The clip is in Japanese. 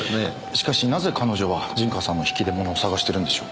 しかしなぜ彼女は陣川さんの引き出物を捜してるんでしょう。